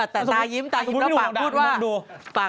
แต่ตายิ้มตายิ้มแล้วปากพูดว่า